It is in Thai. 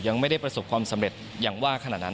ยังไม่ได้ประสบความสำเร็จอย่างว่าขนาดนั้น